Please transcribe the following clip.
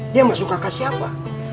dia masuk kakak siapa